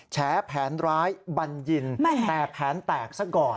แฉแผนร้ายบัญญินแต่แผนแตกซะก่อน